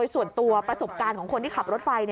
ส่วนตัวประสบการณ์ของคนที่ขับรถไฟ